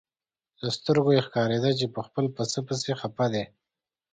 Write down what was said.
له سترګو یې ښکارېده چې په خپل پسه پسې خپه دی.